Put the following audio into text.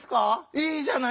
いいじゃないか。